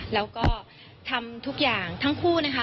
แล้วก็ทำทุกอย่างทั้งคู่นะคะ